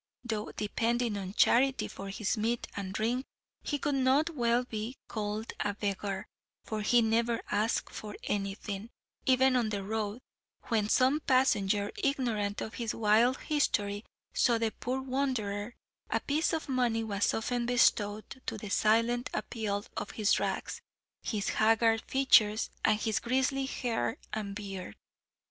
Though depending on charity for his meat and drink, he could not well be called a beggar, for he never asked for any thing even on the road, when some passenger, ignorant of his wild history, saw the poor wanderer, a piece of money was often bestowed to the silent appeal of his rags, his haggard features, and his grizly hair and beard.